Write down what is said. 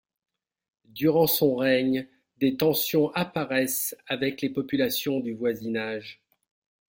Durant son règne, des tensions apparaissent avec les populations du voisinage.